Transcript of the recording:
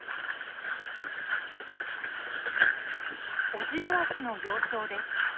オジロワシの幼鳥です。